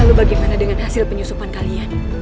lalu bagaimana dengan hasil penyusupan kalian